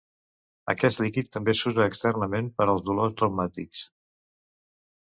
Aquest líquid també s'usa externament per als dolors reumàtics.